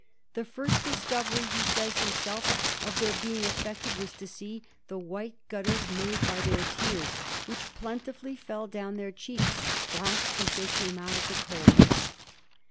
"The first discovery," he says himself, "of their being affected was to see the white gutters made by their tears, which plentifully fell down their cheeks, black as they came out of the coal pits."